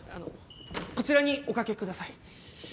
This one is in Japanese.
こちらにお掛けください。